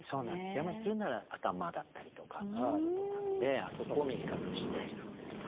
字余りするんなら頭だったりとかっていうことなのであそこを短くして。